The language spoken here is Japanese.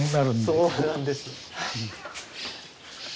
そうなんです。